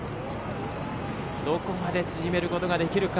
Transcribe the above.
どこまで縮めることができるか。